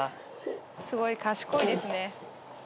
すごい賢いですね。